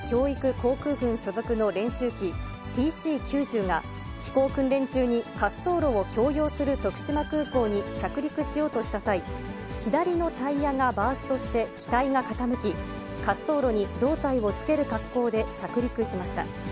航空群所属の練習機、ＴＣ９０が、飛行訓練中に、滑走路を共用する徳島空港に着陸しようとした際、左のタイヤがバーストして機体が傾き、滑走路に胴体をつける格好で着陸しました。